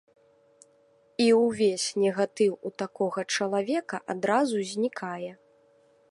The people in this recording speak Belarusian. І ўвесь негатыў у такога чалавека адразу знікае.